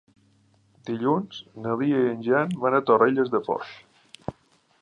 Dilluns na Lia i en Jan van a Torrelles de Foix.